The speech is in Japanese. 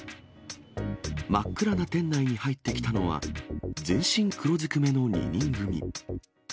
真っ暗な店内に入ってきたのは、全身黒ずくめの２人組。